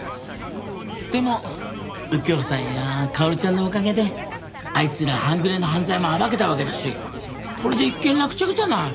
でも右京さんや薫ちゃんのおかげであいつら半グレの犯罪も暴けたわけだしこれで一件落着じゃない。